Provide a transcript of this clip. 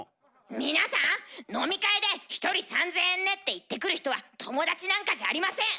皆さん飲み会で「１人３，０００円ね」って言ってくる人は友達なんかじゃありません！